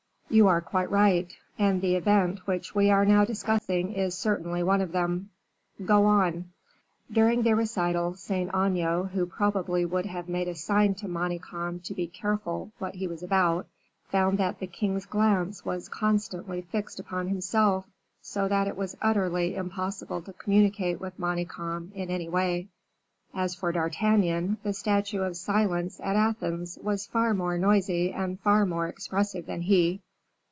"You are quite right, and the event which we are now discussing is certainly one of them. Go on." During the recital, Saint Aignan, who probably would have made a sign to Manicamp to be careful what he was about, found that the king's glance was constantly fixed upon himself, so that it was utterly impossible to communicate with Manicamp in any way. As for D'Artagnan, the statue of Silence at Athens was far more noisy and far more expressive than he.